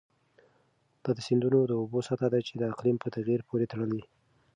دا د سیندونو د اوبو سطحه ده چې د اقلیم په تغیر پورې تړلې.